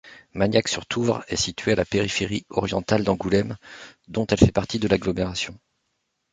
Magnac-sur-Touvre est située à la périphérie orientale d'Angoulême, dont elle fait partie de l'agglomération.